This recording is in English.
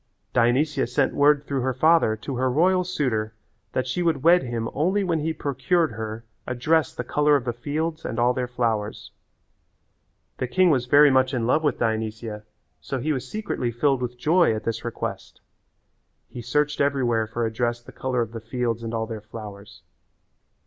Dionysia sent word through her father to her royal suitor that she would wed him only when he procured her a dress the colour of the fields and all their flowers. The king was very much in love with Dionysia, so he was secretly filled with joy at this request. He searched everywhere for a dress the colour of the fields and all their flowers.